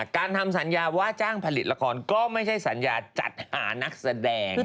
การทำสัญญาว่าจ้างผลิตละครก็ไม่ใช่สัญญาจัดหานักแสดง